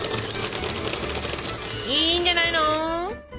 いいんじゃないの？ＯＫ。